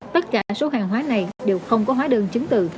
tất cả số hàng hóa này đều không có hóa đơn chứng từ